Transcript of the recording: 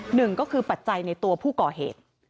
หนึ่งก็คือปัจจัยในตัวผู้ก่อเหตุ